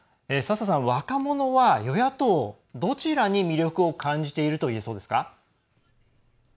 若者は与野党どちらに魅力を感じているといえそうですか？